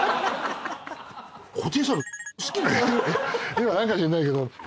今何か知んないけど。